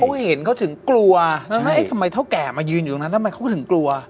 ไม่เห็นเขาถึงกลัวทำไมเท่าแก่มายืนอยู่ตรงนั้นทำไมเขาถึงกลัว